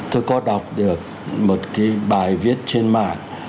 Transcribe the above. tôi có đọc được một cái bài viết trên mạng